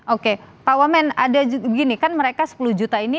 oke pak wamen ada begini kan mereka sepuluh juta ini